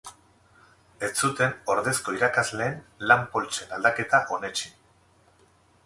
Ez zuten ordezko irakasleen lan-poltsen aldaketa onetsi.